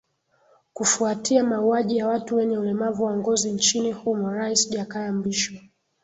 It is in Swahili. kufuatia mauaji ya watu wenye ulemavu wa ngozi nchini humo rais jakaya mrisho